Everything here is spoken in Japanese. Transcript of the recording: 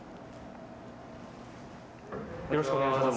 よろしくお願いします。